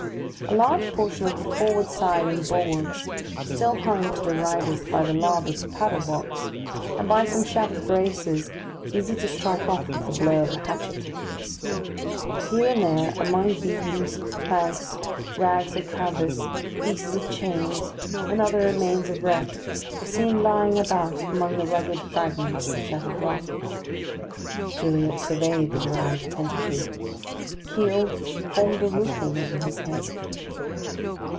A large portion of the forward side and bulwarks still hung to the riders by the larboard paddle box, and by some shattered braces easy to strike off with the blow of a hatchet. Here and there, among beams, planks, rags of canvas, pieces of chains, and other remains of wreck were seen lying about among the rugged fragments of shattered rock. Gilliatt surveyed the Durande attentively. The keel formed a roofing over his head.